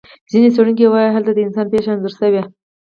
ځینې څېړونکي وایي هلته د انسان پېښه انځور شوې.